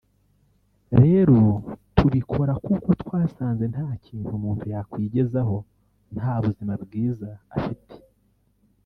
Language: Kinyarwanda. rero tubikora kuko twasanze nta kintu umuntu yakwigezaho nta buzima bwiza afite